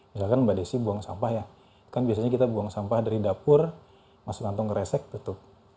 misalkan mbak desi buang sampah ya kan biasanya kita buang sampah dari dapur masuk kantong resek tutup